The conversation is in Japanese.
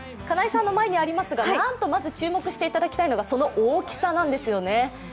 金井さんの前にありますが、なんとまず注目していただきたいのがその大きさなんですよね。